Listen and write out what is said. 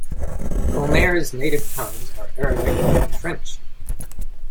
Comair's native tongues are Arabic and French.